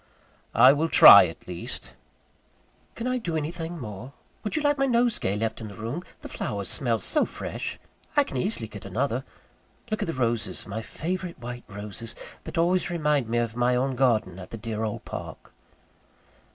"I will try at least." "Can I do anything more? Would you like my nosegay left in the room? the flowers smell so fresh! I can easily get another. Look at the roses, my favourite white roses, that always remind me of my own garden at the dear old Park!"